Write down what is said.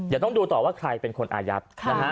อย่าต้องดูต่อว่าใครเป็นคนอายัด